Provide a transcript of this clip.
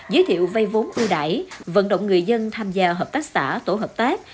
giới thiệu vây vốn ưu đại vận động người dân tham gia hợp tác xã tổ hợp tác